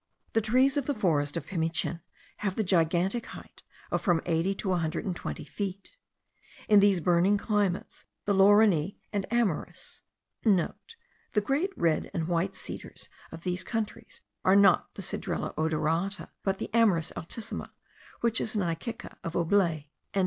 The trees of the forest of Pimichin have the gigantic height of from eighty to a hundred and twenty feet. In these burning climates the laurineae and amyris* (* The great white and red cedars of these countries are not the Cedrela odorata, but the Amyris altissima, which is an icica of Aublet.)